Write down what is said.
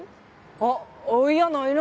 あっいやないな。